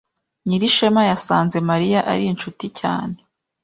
Nyirishema yasanze Mariya ari inshuti cyane.